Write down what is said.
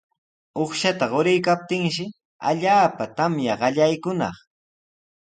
Uqshata quriykaptinshi allaapa tamya qallaykunaq.